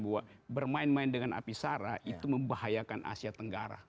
bahwa bermain main dengan api sara itu membahayakan asia tenggara